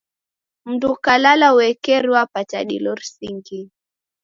Mndu ukalala uekeri wapata dilo risingie.